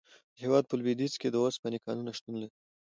د هیواد په لویدیځ کې د اوسپنې کانونه شتون لري.